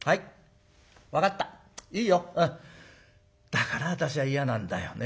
だから私は嫌なんだよね。